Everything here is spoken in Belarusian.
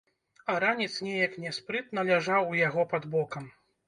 А ранец неяк няспрытна ляжаў у яго пад бокам.